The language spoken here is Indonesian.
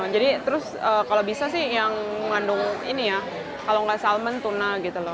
jadi terus kalau bisa sih yang mengandung ini ya kalau nggak salmon tuna gitu loh